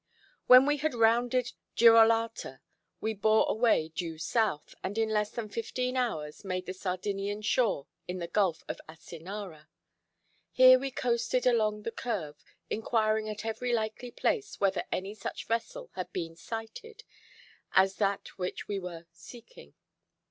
When we had rounded Girolata, we bore away due south, and in less than fifteen hours made the Sardinian shore in the gulf of Asinara. Here we coasted along the curve, inquiring at every likely place whether any such vessel had been sighted as that which we were seeking.